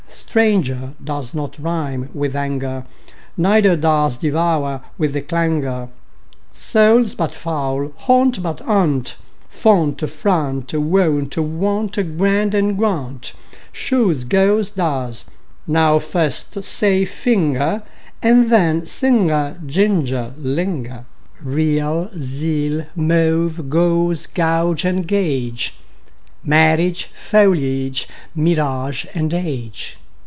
Stranger does not rime with anger, Neither does devour with clangour. Soul, but foul and gaunt, but aunt; Font, front, wont; want, grand, and, grant, Shoes, goes, does.) Now first say: finger, And then: singer, ginger, linger. Real, zeal; mauve, gauze and gauge; Marriage, foliage, mirage, age.